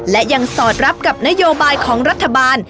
และยังสอดรับกับนโยบายของรัฐบาล